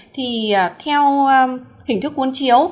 thì theo hình thức cuốn chiếu